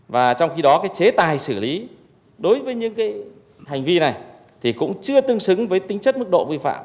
và trong khi đó cái chế tài xử lý đối với những cái hành vi này thì cũng chưa tương xứng với tính chất mức độ vi phạm